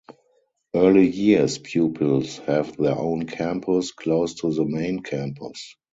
Early years pupils have their own campus, close to the main campus.